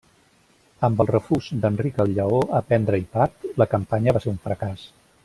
Amb el refús d'Enric el Lleó a prendre-hi part, la campanya va ser un fracàs.